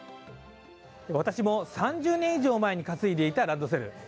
私も３０年以上前に担いでいたランドセル。